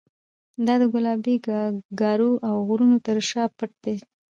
دا د ګلابي ګارو او غرونو تر شا پټ دی.